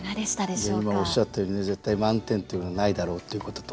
今おっしゃったように「絶対満点というのはないだろう」っていうことと。